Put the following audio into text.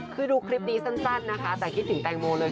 คือดูคลิปนี้สั้นนะคะแต่คิดถึงแตงโมเลย